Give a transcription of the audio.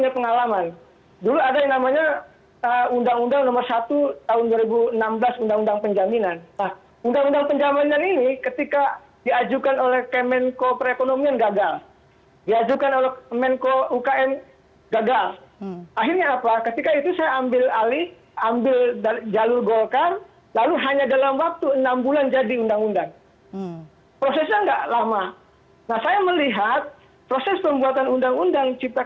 selain itu presiden judicial review ke mahkamah konstitusi juga masih menjadi pilihan pp muhammadiyah